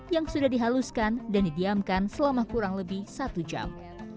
yang sudah dihaluskan dan didiamkan selama kurang lebih satu jam